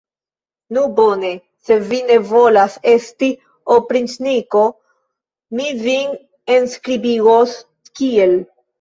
Nu, bone, se vi ne volas esti opriĉniko, mi vin enskribigos kiel.